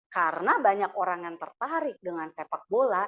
karena banyak orang yang tertarik dengan sepak bola